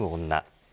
女